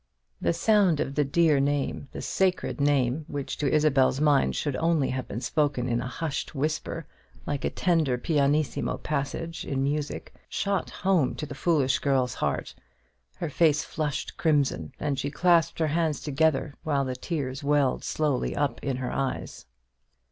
The sound of the dear name, the sacred name, which to Isabel's mind should only have been spoken in a hushed whisper, like a tender pianissimo passage in music, shot home to the foolish girl's heart. Her face flushed crimson, and she clasped her hands together, while the tears welled slowly up to her eyes.